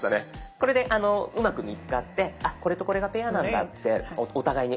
これでうまく見つかってこれとこれがペアなんだってお互いに分かった状態です。